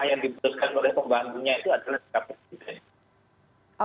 yang diputuskan oleh pembantunya itu adalah sikap presiden